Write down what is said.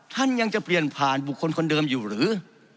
ท่านยังจะเปลี่ยนผ่านบุคคลคนเดิมอยู่หรือ